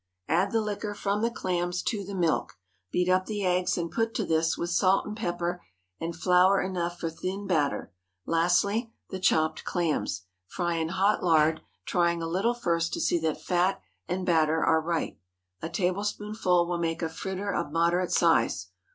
Add the liquor from the clams to the milk; beat up the eggs and put to this, with salt and pepper, and flour enough for thin batter; lastly, the chopped clams. Fry in hot lard, trying a little first to see that fat and batter are right. A tablespoonful will make a fritter of moderate size.